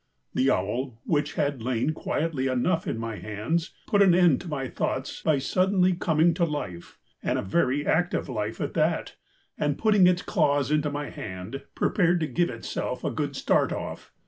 The owl, which had lain quietly enough in my hands, put an end to my thoughts by suddenly coming to life, and very active life at that, and putting its claws into my hand, prepared to give itself a good startoff.